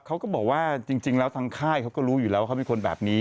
เขาก็บอกว่าจริงแล้วทางค่ายเขาก็รู้อยู่แล้วว่าเขาเป็นคนแบบนี้